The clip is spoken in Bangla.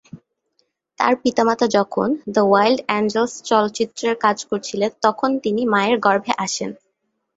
তার পিতামাতা যখন "দ্য ওয়াইল্ড অ্যাঞ্জেলস" চলচ্চিত্রের কাজ করছিলেন, তখন তিনি তার মায়ের গর্ভে আসেন।